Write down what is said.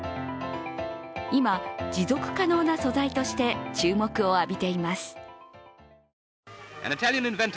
今、持続可能な素材として注目を浴びています。